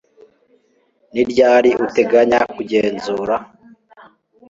Ni ryari uteganya kugenzura